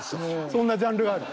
そんなジャンルがある？